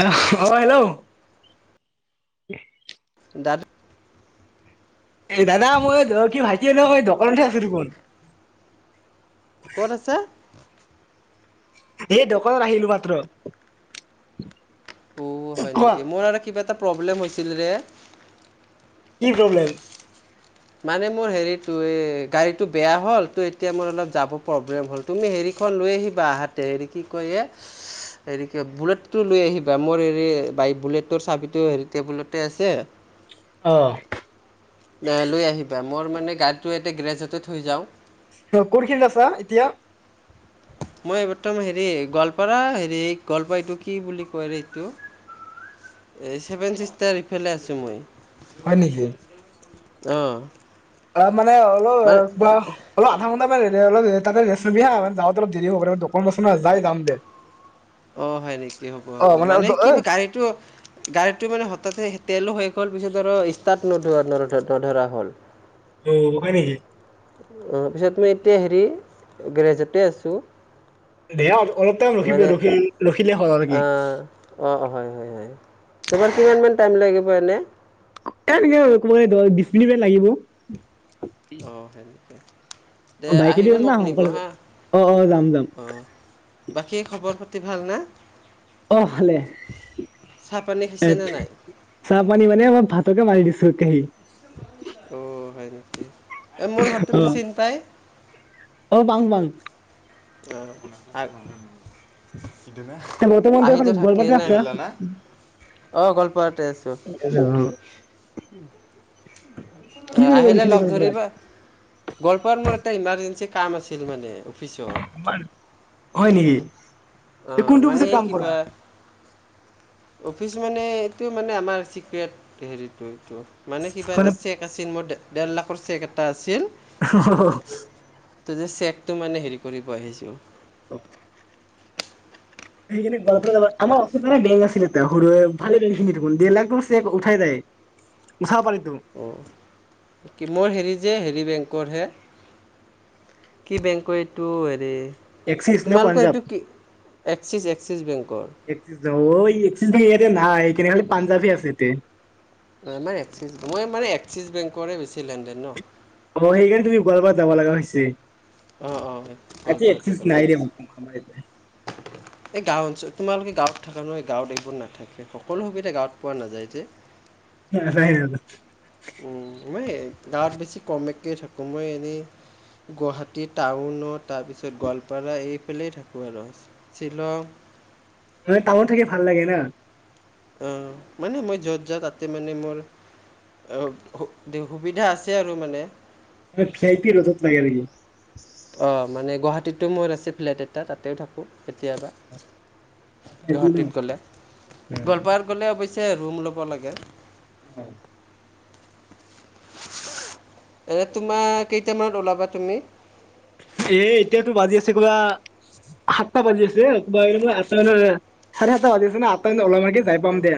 অ', hello. [inaudible] দাদ এই দাদা মই কি ভাইটি [unintelligible] দোকানতে আছো দেখোন। ক'ত আছা? এই দোকানত আহিলো মাত্ৰ। অ', হয় কোৱা নেকি মোৰ আৰু কিবা এটা প্ৰব্লেম হৈছিল ৰে। কি প্ৰব্লেম? মানে মোৰ হেৰিটো এই গাড়ীটো বেয়া হ'ল ত' এতিয়া মোৰ অলপ যাব প্ৰব্লেম হ'ল তুমি হেৰি খন লৈ আহিবা আহাতে হেৰি কি কয় এই হেৰি কিয় বুলেটটো লৈ আহিবা মোৰ হেৰি বাইক বুলটৰ চাবিটো হেৰি তেবুলতে আছে অ', লৈ আহিবা মোৰ মানে গাড়ীটো এতিয়া গেৰেজতে থৈ যাওঁ। অ', কোনখিনিত আছা এতিয়া? মই বৰ্তমান হেৰি গোৱালপাৰা হেৰি গোৱালপাৰা এইটো কি বুলি কয় ৰে এইটো? এ চেভেন ছিষ্টাৰ ইফালে আছো মই হয় নেকি অ', অ মানে অলপ অলপ আধা [unintelligible] যাওঁতে অলপ দেৰি হ'ব পাৰে দোকানত আছোঁ না, যাই যাম দে। অ', হয় নেকি হ'ব অ হ'ব অ মানে কি গাড়ীটো গাড়ীটো মানে হঠাতে তেলো শেষ হ'ল পিছত আৰু ষ্টাৰ্ট নধোৱা নধৰা হ'ল। অ', হয় নেকি। অ', পিছত মই এতিয়া হেৰি গেৰেজতে আছোঁ। দে অলপ টাইম ৰখিবি মানে ৰখি ৰখিলে হ'ল আৰু কি আ, অ', হয়, হয়, হয়। তোমাৰ কিমান মান টাইম লাগিব এনে? কেনকে ক'ব এ দ, বিশ মিনিট লাগিব। অ' হেনকে। দে বাইকেদি আহিবি যাম না মোক নিব' সোনকালে হা। অ অ যাম যাম অ'। বাকী খবৰ পা তি ভালনে? অ', খালে পানী এ খাইছেনে নাই চাহ পানী মানে মই ভাতকে মাৰি দিছোঁ। [unintelligible] অ', হয় নেকি? এ মোৰ ঘৰতো অ চিন্তাই [unintelligible] অ', তেওঁ বৰ্তমান আহিতো দেখোন থাকে গোৱালপাতহে না আছে। অ' গোৱালপাত। [inaudible] উ। কি অ' কৰিব আহিলে গৈছিলি লগ গোৱালপাৰাত ধৰিবা। গোৱালপাৱাত মোৰ এটা ইমাজেঞ্চি কাম আছিল মানে। অফিচৰ মাৰ, হয় নেকি? অ' কোনটো মানে অফিচত এই কাম কৰা কিবা। অফিচ মানে এটো মানে আমাৰ চিক্ৰেট হেৰিটো এটো। মানে কিবা এটা চেক আছিল মোৰ, ডে-ডেৰ লাখৰ চেক এটা আছিল। [inaudible] তে যে চেকটো মানে হেৰি কৰিব আহিছোঁ। অ'। হেইখিনি বক্ৰো লগত। আমাৰ অফিচ মানে বেং আছিলে তেওঁ সৰুৱেও ভালে বেংকখিনি থুগোন বেলেগটো চেপ উঠাই যায়। উঠা পাৰিব। অ' কি ম'ৰ হেৰি যে হে ই বেংকৰ হে, কি বেংকৰ এইটো হেৰি। এক্সিচ নে তোমালোকৰ পাঞ্জাৱ? এইটো কি এক্সিছ এক্সিছ বেংকৰ এক্সিচ বেং, অ' ই এক্সিচ বেং এয়াতে নাই, কেনেহ'লে পাঞ্জাৱ হে আছে এতে। অ' নাই এক্সিচ, মই মানে এক্সিছ বেংকৰে বেছি লেনদেন ন। অ' হেইকাৰণে তুমি গোৱালপাত যাব লাগা হৈছি। অঁ অঁ আজি গোৱালপাৰাত এক্সিচ যাব নাই লগা দেহো হৈছে [unintelligible] এই গাওঁ অঞ্চ, তোমালোকে গাঁৱত থকা নহয়, গাঁৱত এইবোৰ নাথাকে। সকলো সুবিধা গাঁৱত পোৱা নাযায় যে। [unintelligible] উম, মই গাঁৱত বেছি কমকে থাকো মই এনেই গুৱাহাটী টাউনত তাৰপিছত গোৱালপাৰা এইফালেই থাকোঁ আৰু। শ্বিলং। মানে টাউনত থাকি ভাল লাগে না। অ' মানে মই য'ত যাওঁ তাতে মানে মোৰ অ' সু-দেও, সুবিধা আছে আৰু মানে। আ ভি আই পি ৰ'ডত থাকে নেকি? অ' মানে গুৱাহাটীতো মোৰ আছে ফ্লেট এটা তাতেও থাকোঁ কেতিয়াবা। খি পি ন উম। গুৱাহাটীত গ'লে, গোৱালপাৰাত গ'লে অৱশ্যে ৰুম ল'ব লাগে। উ, উ। এ তোমাৰ কেইটামানত ওলাবা তুমি? এ এতিয়াতো বাজি আছে কোৰা। সাতটা বাজি আছে একবাই তামানে আঠটা ওলায়। চাৰে সাতটা বাজি আছে ন? আঠটা মানে ওলাম নেকি। যাই পাম দে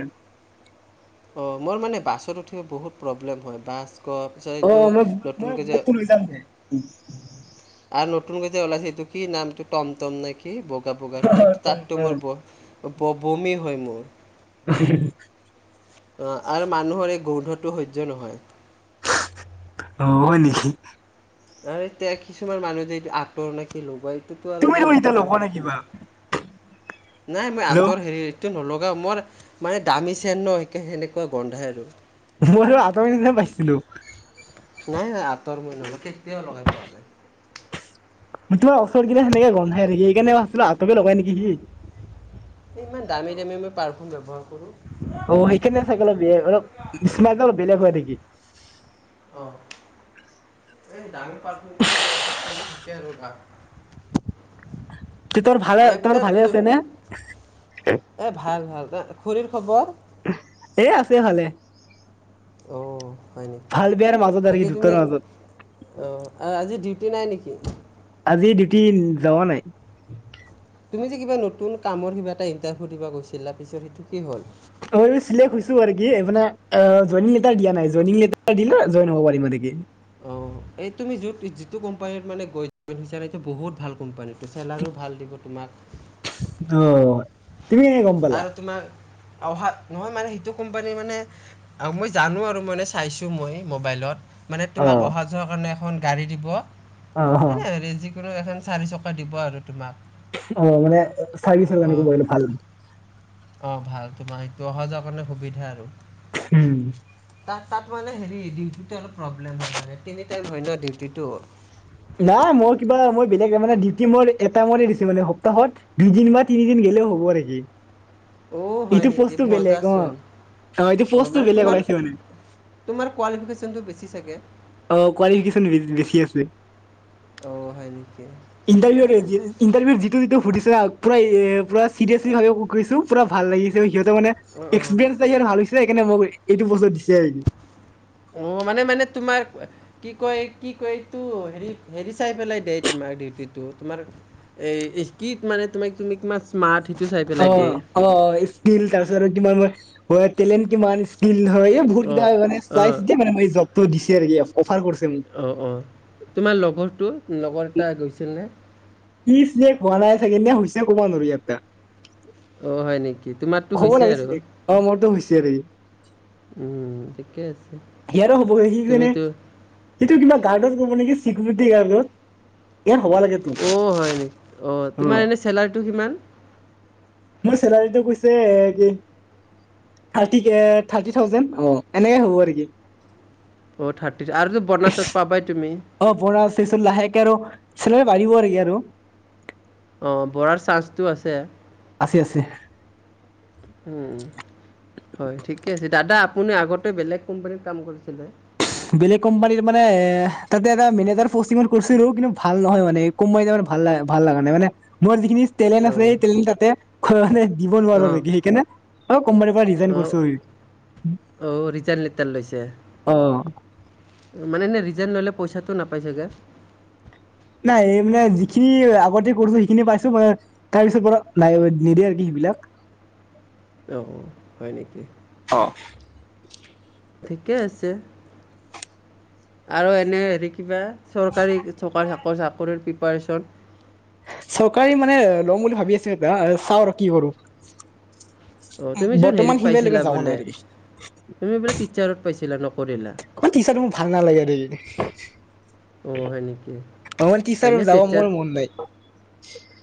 অ' মোৰ মানে বাছত উঠিব বহুত প্ৰব্লেম হয়। বাছ ক পিছত এইটো অ' মই, মই নতুনকৈ যে [unintelligible] লৈ যাম দে। নতুন কৰি যে ওলাইছে এইটো কি নামটো টমটম নে কি? কি বগা বগাটো, তাততো মোৰ ব বমি হয় মোৰ। [unintelligible] অ', আৰু মানুহৰ এই গোন্ধটো সহ্য নহয়। অ', হয় নি। আৰু এতিয়া কিছুমান মানুহ য আঁতৰ নে কি লগায়। সেইটো আৰু তুমি মোৰ দেখোন এতিয়া একেবাৰে লগোৱা নাই সহ্য কিবা নহয়। নাই মই হেল্ল' আঁতৰ হেৰি টো নলগাও ম'ৰ মানে দামী চেণ্ট ন একে হেনেকুৱা গন্ধাই আৰু। [unintelligible] আতৰ নিছিনা পাইছিলো। নাই নাই আতৰ মই নলওঁ, কেতিয়াও লগাই পোৱা নাই। মই তোমাৰ ওচৰত গ'লে হেনেকে গোন্ধাই থাকে, হেকাৰনে মই ভাবছিলো আতকে লগাই নেকি সি। ইমান দামী দামী মই পাৰ্ফিউম ব্যৱহাৰ কৰোঁ। অ', সেইকাৰনেে চাগে অলপ বেলেগ অলপ স্মেলটো অলপ বেলেগ হয় নেকি? [inaudible] এই ডাঙৰ পাৰফিউমটো মানে এসপ্তাহ মান থাকে আৰু ভা [unintelligible] তে তোমাৰ ভালে তোমাৰ ভালে আছে নে? খুড়ীৰ খবৰ? এ আছে ভালে। অঁ হয় নেকি ভাল বেয়াৰ মাজত আৰু বাকী কি তুমি দুটাৰ মাজত অ', আজি ডিউটি নাই নেকি? আজি ডিউটি যোৱা নাই। তুমি যে কিবা নতুন কামৰ কিবা এটা ইণ্টাৰভিউ দিব গৈছিলা, তাৰপিছত সেইটো কি হ'ল? ছো মানে চিলেক্ট হৈছো আৰু কি মানে অ জইনিঙ লেটাৰ দিয়া নাই, জয়নিঙ লেটাৰ দিলে জইন হব পাৰিম মানে কি। অ', এই তুমি য যিটো কোম্পানীত মানে গৈ দিছা এইটো বহুত ভাল কোম্পানী। চেলাৰীও ভাল দিব তোমাক। অ', তুমি কেনেকে গম পালা? আৰু তোমাৰ অহা নহয় মানে সেইটো কোম্পানী মানে মই জানো আৰু মানে চাইছো মই মোবাইলত। মানে অ তোমাক অহা যোৱাৰ কাৰণে এখন গাড়ী দিব অ অ এনে হেৰি যি কিনো এখন চাৰি চকা দিব আৰু তোমাক। অ', মানে চাৰ্ভিছৰ কাৰনে ৱ্যৱহাৰ কৰিলে ভাল। অ', ভাল তোমাৰ, সেইটো অহা যোৱা কাৰণে সুবিধা আৰু। উম। তাত তাত মানে হেৰি ডিউটিটো অলপ প্ৰব্লেম হয় মানে তিনি টাইম হয় ন ডিউটিটো। নাই মই কিবা মই বেলেগ মানে ডিউটি মোৰ এটা মৰে দিছে মানে সপ্তাহত দুইদিন বা তিনিদিন গেলি হ'ব নেকি। অ' হয় এইটো নেকি পষ্ট ও বেলেগ অ', মজাচোন অ', এইটো অঁ পষ্টও মানে বেলেগ তোমাৰ ওলাইছে মানে। তোমাৰ কোৱালিফিকেশ্যনটো বেছি চাগে আহ কোৱালিফিকেশচন বেছি আছে। অ', হয় নি? ইণ্টাৰভিউৰ ইণ্টাৰভিউৰ যিটো যিটো ফুটিছো পুৰা এ পৰা চিৰিয়াছলি ভাৱে কু কৰিছো পুৰা ভাল লাগিছে। সিহঁতেৰ মানে অঁ অঁ এক্পিৰিয়েঞ্চ ভাল হৈছে সেইকাৰণে মোক এইটো পষ্টত দিছে। অ'। মানে মানে তোমাৰ কি কয় কি কয় এইটো হেৰি হেৰি চাই পেলাই দে তোমাক ম মানমমি কি [unintelligible] পেলাই অ', দিয়ে অ', স্কিল তাৰপিছত আৰু কিমান টেলেণ্ট কিমান য় এই ভুল অঁ কেইটা হয় মানে অঁ চাইয়া মানে জবটো দিছে আৰু অফাৰ কৰিছে মোক অ', অ', তোমাৰ লগৰটো, লগৰ এটা গৈছিল নে। পিছ যে খোৱা নাই চাগে নে হৈছে কবা নোৱাৰো ইয়াতটা অঁ হয় নেকি তোমাৰতো হ'ব হৈছে আৰু লাগিছিলে অ', মোৰতো হৈছে আৰু উম ঠিকে আছে, সিয়াৰো হ'ব সি মানে তুমিতো সেইটো কিবা গাৰ্ডত ক'ব নেকি চিকিউৰিটি গাৰ্ডত। ইয়াৰ হ'ব লাগে তোৰ অ', হয় নেকি অ, তোমাৰ এনে চেলাৰীটো কিমান? মই চেলাৰীটো কৈছো এ কি থাৰ্টি কে থাৰ্টি থাউজেণ্ড, এনেই হ'ব আৰু কি। অ', থাৰ্টি আৰু তো বনাছত পাবাই তুমি? অ', [unintelligible] লাহেকে আৰু চেলাৰী বাঢ়িব আৰু কি আৰু। অ', বৰাৰ চান্সটো আছে। আছে আছে। উম হয় ঠিকে আছে দাদা আপুনি আগতে বেলেগ কোম্পানীত কাম কৰিছিলে বেলেগ কোম্পানীত মানে এ তাতে এটা মেনেজাৰ পষ্টিঙত কৰিছিল ৰ কিন্তু ভাল নহয় মানে কোম্পানী ত ভাল ভাল লগা নাই মানে মোৰ যিখিনি টেলেণ্ট আছে অঁ সেই টেণ্ট তাতে দিব নোৱাৰো অঁ লি সেইকাৰণে অ কোম্পানীৰ পৰা ৰিজাইন কৰিছো অ', ৰিজাইন লেতাৰ লৈছে। অ মানে এনে ৰিজাইন ল'লে পইচাটো নাপাইছাগে। নাই মানে যিখিনি আগতে কৰিছো সেইখিনি পাইছো, মান তাৰ পিছত পৰা নাই নিদে আৰু সেইবিলাক। [inaudible] অ', হয় নেকি? ঠিকে আছে আৰু এনে হেৰি কিবা? চৰকাৰী চৰকাৰী চৰি চাকৰিৰ প্ৰিপাৰেশ্যন চৰকাৰী মানে লম বুলি ভাবি আছোঁ এবাৰ চাওঁ আৰু কি কৰোঁ। অঁ তুমিচোন হেৰিত বৰ্তমান পাইছিলা সিমানলৈকে যাৱা বোলে নাই আৰু তুমি বোলে কি। টিচাৰত পাইছিলা নকৰিলা খুব [unintelligible] টো মোৰ ভাল নালাগে দেই। অ', হয় নেকি অকমান টিচাৰ এনে যাব মোৰ তেতিয়াৰ মন নাই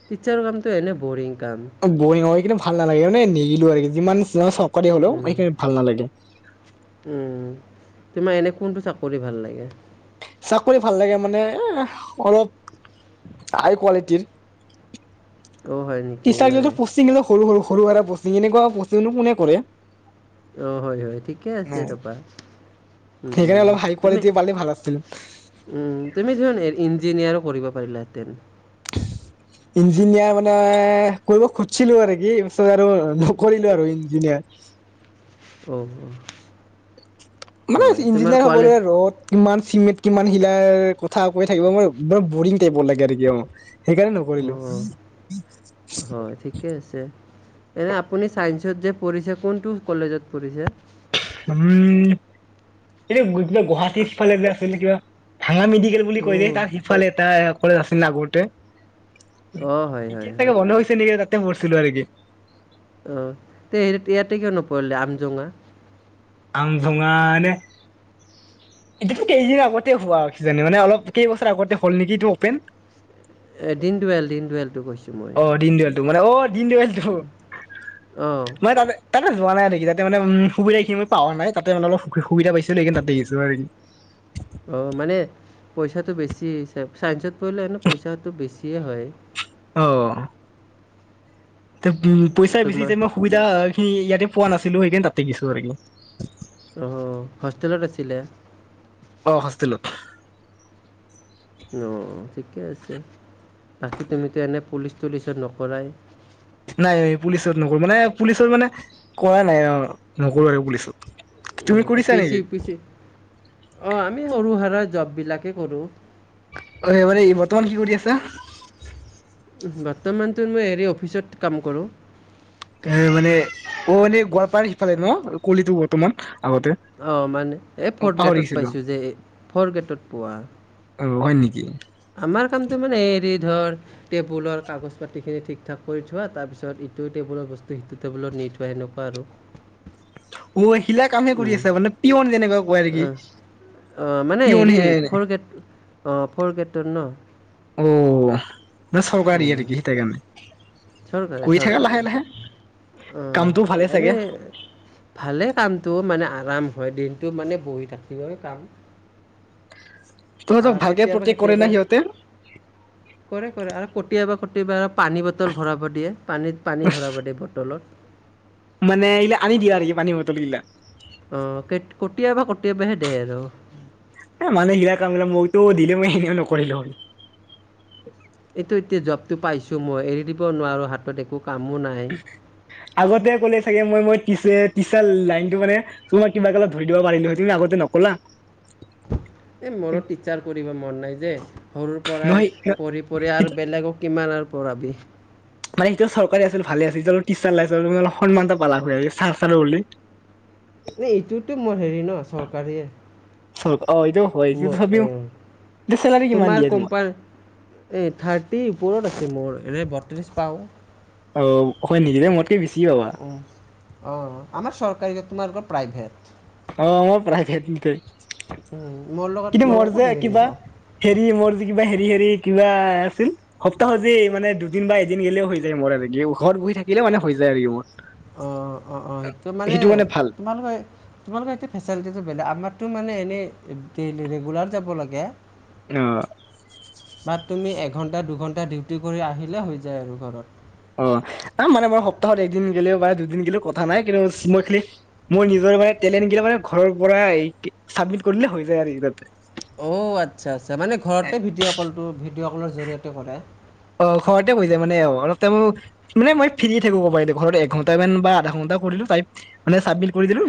তেতিয়াৰ কাম হলে ব'ৰিং। কাম অ', বৰিং হয় কিন্তু ভাল নালাগে মানে নিগিলো আৰু যিমান চব কৰে হলেও উম, এইখিণি ভাল নালাগে। উম। তোমাৰ এনে কোনটো চাকৰি ভাল লাগে? চাকৰি ভাল লাগে মানে অলপ হাই কোৱালিটিৰ। অঁ হয় নেকি টিচাৰ গিলা মানে প'ষ্টিং সৰু, সৰু, সৰু ভৰা প'ষ্টিং এনেকুৱা প'ষ্টিংনো কোনে কৰে? অ', হয় হয় ঠিকে আছে তাৰপা। উম, সেইকাৰণে উম, অলপ হাই তুমি কোৱালিটি পালে ভাল আছিল উম, তুমি ধৰ ইন ইঞ্জিনিয়াৰো কৰিব পাৰিলা হেঁতেন। ইঞ্জিনিয়াৰ মানে কৰিব খুজিছিলোঁ আৰু কি তাৰ পিছত আৰু নকৰিলো আৰু ইঞ্জিনিয়াৰ। অ', অ', মানে ইঞ্জিনিয়াৰ হ'বলৈ ৰ'দ কিমান চিমেট কিমান শিলাৰ কথা কৈ থাকিব মই মই বৰিং টাইপৰ লাগে আৰু কিবা মক। সেইকাৰণে অঁ নকৰিলোঁ। হয় ঠিকে আছে এনে আপুনি ছাইন্সত যে পঢ়িছে কোনটো কলেজত পঢ়িছে? উম, এ কিবা গুৱাহাটীৰফালে আছিলে যে কিবা। ভাঙা মেডিকেল বুলি কৈ যে, অঁ তাৰ সিফালে এটা কলে আছিল না আগতে। অঁ হয় হয় এতিয়া হয় চাগে বন্ধ হৈছে নেকি তাতে পঢ়ছিলো আৰু কি। অ', তে ইয়াতে কিয় নপঢ়িলে আমজোঙা। আমজোঙা এনে। এইটো কেইদিন আগতে হোৱা কিজনী মানে অলপ কেইবছৰ আগতে হ'ল নেকি এইটো অপেন। এ দিনটুৱেল দিনটুৱেল টো কৈছো। অ', দিনদুয়ালটো মানে অ', দিনদুয়ালটো অঁ মানে তাতে তাতে পোৱা নাই আৰু কি তাতে মানে উম, সুবিধাখিনি মই পোৱা নাই তাতে মানে অলপ সুবিধা পাইছোঁ সেইকাৰণে তাতে গেছোঁ আৰু কি। অ', মানে পইচাটো বেছি হৈচে চাইন্সত পৰিঢ়লে এনেও পইচাটো বেছি। সেয়ে হয়। অ', তে উম পইচা বেছি তোমাৰ যেতি মই সুবিধা খিনি ইয়াতে পোৱা নাছিলো সেইকাৰণে তাতেখিছো আৰু আহ হোষ্টেলত আছিলে অ হোষ্টেলত অঁ ঠিকে আছে বাকী তুমিতো এনে পুলিচ তুলিচত নকৰাই নাই পুলিচত নকৰো মানে পুলিচত মানে কৰা নাই আৰু নকৰো আৰু পুলিচত তুমি এ কৰিছা পি চি নেকি উ পি চি অ আমি সৰু সোৰা জব বিলাকে কৰো অ এইবাৰে বৰ্তমান কি কৰি আছা বৰ্তমানটো মই হেৰি অফিচত কাম কৰোঁ এ মানে অ', এনেই গোৱালপাৰাৰ সিফালে ন কলিটো বৰ্তমান। আগতে অ', মানে এ ফৰ্থ পাহৰি গ্ৰেটত গৈছিলো পাইছোঁ যে এই ফ'ৰ্থ গ্ৰেটত পোৱা। অ হয় নেকি? আমাৰ কামটো মানে হেৰি ধৰ টেবুলৰ কাগজ পাতি খিনি ঠিক ঠাক কৰি থোৱা তাৰপিছত ইটো টেবুলৰ বস্তু সেইটো টেবুলত নি ঠোৱা সেনেকুৱা আৰু। অ', শিলা কামহে কৰি উম, আছে মানে পিয়ন যেনেকুৱা কোৱা নেকি। অ' অ', মানে পিয়ন হেৰি হে ফৰ গ্ৰেট অ ফ'ৰ গ্ৰেটৰ ন। অ', বচ চৰকাৰী আৰু কি সেইটাকে মানে। চৰকাৰী চৰকাৰে অ কামটো ভালে চাগে এনেই ভালে কামটো মানে আৰাম হয় দিনটো মানে বহি থাকিবই কাম অ তহঁতক ভালকে কেতিয়াবা প্ৰটেক্ট কৰে না কেতিয়াবা সিহঁতে কৰে কৰে আৰু কেতিয়াবা প্ৰতিবাৰ পানী বটল ভৰাব দিয়ে পানীত পানী ভৰাব দিয়ে বটলত মানে এইিলা আনি দিয়া আৰু কি পানীৰ বটল এইিলা কেতিয়বা [unintelligible] মানহ গিলাক কামিল মোকতো দিলে মই এনেও নকৰিলে ম এইটো এতিয়া জবতটো পাইছো মই এৰি দিব নোৱাৰো হাতত একো কামো নাই আগতে ক'লে চাগে মই মই পিচে পিছে লাইনটো মানে তোমাক কিবাত ধৰি দিব পাৰিলোহ তুমি আগতে নকলা এই মোৰো টিচাৰ কৰিব মন নাই যে সৰুৰ পৰাই নহয় পঢ়ি পঢ়ি আৰু বেলেগক কিমান আৰু [unintelligible] মানে এতিয়া চৰকাৰী আছিল ভালে আছিল এতি অলপ টচাৰ লাইছিল অলপ সন্মান এটা পালা চাৰ চাৰো বুলি এই এইটোতো মোৰ হেৰি ন চৰকাৰীয়ে অ এইটো হয় কিন্তু ম তথাপিও আহ এতিয়া চেলাৰী কিমান তোমাৰ দিয়ে তোমাক কোম্পানী এই থাৰ্টিৰ ওপৰত আছে মোৰ এনে বত্ৰিশ পাও অখ নিদিবে মত উ অ আমাৰ চৰকাৰী তোমালোকৰ প্ৰাইভেট অ মই প্ৰাইভে টেই উম, মোৰ লগত কিন্তু তোমালোকৰ ক'ত মোজে মিলিব কিবা অঁ হেৰি মোৰ যে কিবা হেৰি হেৰি কিবা আছিল সপ্তাহজি মানে দুদিন বা এদিন গেলেও হৈ যায় মোৰক ঘৰত বহি থাকিলে মানে হৈ যায় াৰিব অ অ অ সেইটোে মানে তোমালোকয় তোমালোকৰ এতিয়া ফেচেলিটিটো বেলেগ আমাৰতো মানে এনেই ডেইলি ৰেগুলাৰ যাব লাগে অ বা তুমি এক এঘণ্টা দুঘণ্টা ডিউটি কৰি আহিলে হৈ যায় আৰু ঘৰত অ ত মানে মই সপ্তাহত একদিন গ'লেও বা দুদিন গলেও কথা নাই কিন্তু মই খালি মই নিজৰ লেিলা মান ঘৰৰ পৰা চাবমিট কৰিলে হৈ যায় আৰু ইতে অ আচ্ছা আচ্ছা মানে ঘৰতে ভিডিঅ' কলটো ভিডিঅ' কলৰ জৰিয়তে কৰে অ ঘৰতে বৈ যায় মানে অ অলপ ম মানে মই ফ্ৰয় থাকিব পাৰিলো ঘৰত এঘণ্ট মান বা আধা ঘণ্টা কৰিলো ত মানে চাব কৰি দিলো